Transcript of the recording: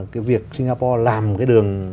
cái việc singapore làm cái đường